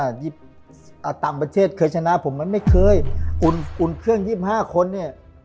อ่าต่างประเทศเคยชนะผมไม่เคยหุ่นเขื่อ๒๕คนเนี่ย